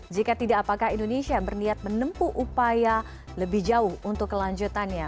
jika tidak apakah indonesia berniat menempuh upaya lebih jauh untuk kelanjutannya